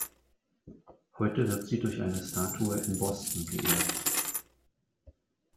Heute wird sie durch eine Statue in Boston geehrt.